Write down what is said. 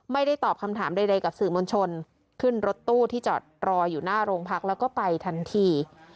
ไม่ได้ตอบคำถามใดกับสื่อมวลชนขึ้นรถตู้ที่จอดรออยู่หน้าโรงพักแล้วก็ไปทันที